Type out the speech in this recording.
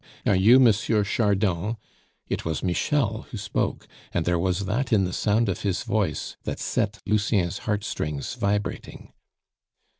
"Are you M. Chardon?" It was Michel who spoke, and there was that in the sound of his voice that set Lucien's heartstrings vibrating.